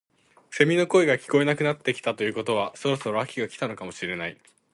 セミの声が聞こえなくなったということはそろそろ秋が来たのかもしれない